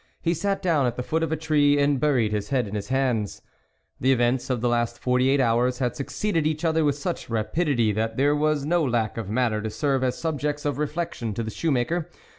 He sat down at the foot of a tree and buried his head in his hands. The events of the last forty eight hours had succeeded each other with such rapidity, that there was no lack of matter to serve as subjects of reflection to the shoemaker.